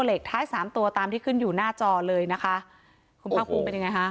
เหล็กท้ายสามตัวตามที่ขึ้นอยู่หน้าจอเลยนะคะคุณภาคภูมิเป็นยังไงฮะ